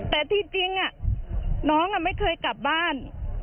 แต่ที่จริงน้องไม่เคยกลับบ้าน